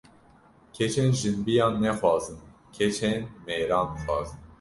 Keçên jinbiyan nexwazin keçên mêran bixwazin